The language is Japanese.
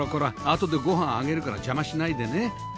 あとでご飯あげるから邪魔しないでね